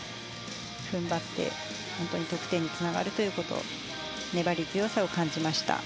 踏ん張って、本当に得点につながるということ粘り強さを感じました。